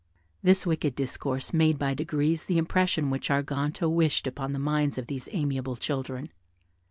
This wicked discourse made by degrees the impression which Arganto wished upon the minds of these amiable children.